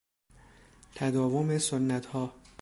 تداوم سنتها